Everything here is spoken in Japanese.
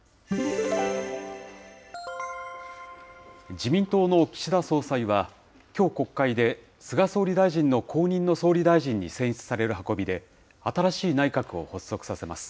自民党の岸田総裁は、きょう、国会で菅総理大臣の後任の総理大臣に選出される運びで、新しい内閣を発足させます。